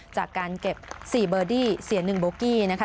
จากการเก็บ๔เบอร์ดี้เสีย๑โบกี้นะคะ